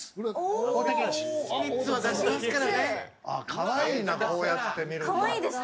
かわいいな、こうやって見ると。